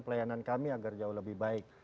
pelayanan kami agar jauh lebih baik